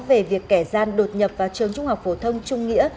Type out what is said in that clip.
về việc kẻ gian đột nhập vào trường trung học phổ thông trung nghĩa